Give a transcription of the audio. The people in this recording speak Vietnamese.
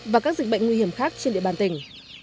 và các dịch bệnh nguy hiểm khác trên địa bàn tỉnh